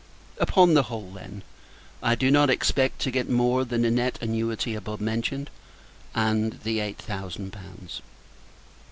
Upon the whole, then, I do not expect to get more than the nett annuity above mentioned, and the eight thousand pounds.